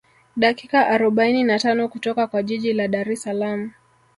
Dakika arobaini na tano kutoka kwa jiji la Dar es Salaam